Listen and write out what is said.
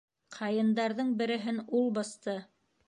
Ҡайындарҙың береһен ул бысты!